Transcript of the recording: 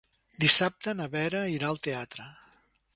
Dissabte na Vera irà al teatre.